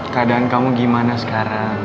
keadaan kamu gimana sekarang